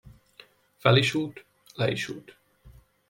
Fel is út, le is út.